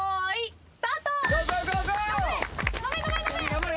頑張れ。